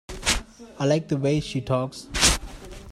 I like the way she talks.